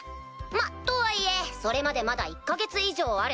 まっとはいえそれまでまだ１か月以上ある。